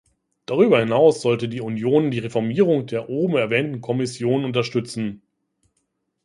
Darüber hinaus sollte die Union die Reformierung der oben erwähnten Kommission unterstützen.